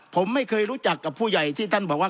ผมไม่เคยรู้จักกับผู้ใหญ่ที่ท่านบอกว่า